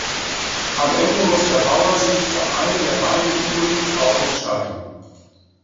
Am Ende muss der Bauer sich für eine der beiden übrigen Frauen entscheiden.